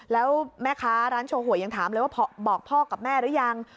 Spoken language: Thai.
แล้วแม่ค้าร้านโชว์หวยยังถามเลยว่าบอกพ่อกับแม่หรือยัง